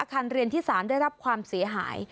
คันเรียนที่๓ได้รับความเสียหาย